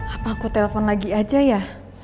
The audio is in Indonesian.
apa aku telpon lagi aja ya